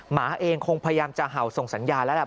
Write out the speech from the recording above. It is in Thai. หมาเองคงพยายามจะเห่าส่งสัญญาณแล้วแหละ